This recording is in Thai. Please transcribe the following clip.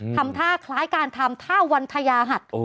ทำท่าคล้ายการทำท่าวันทยาหัส